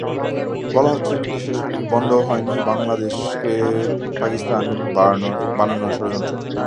বলা হচ্ছে, যুদ্ধ শেষ হয়নি, বন্ধ হয়নি বাংলাদেশকে পাকিস্তান বানানোর ষড়যন্ত্র।